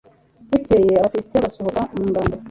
bukeye, abafilisiti basohoka mu ngando